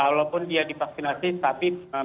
walaupun dia divaksinasi tapi